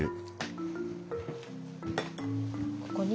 ここに。